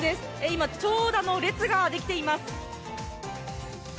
今、長蛇の列が出来ています。